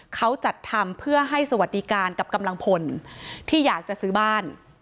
เขาจัดทำเพื่อให้สวัสดิการกับกำลังพลที่อยากจะซื้อบ้าน